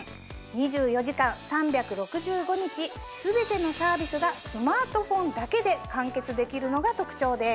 ２４時間３６５日全てのサービスがスマートフォンだけで完結できるのが特徴です。